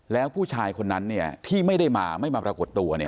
แล้วผู้ชายคนนั้นที่ไม่ได้มาไม่มาปรากฏตัว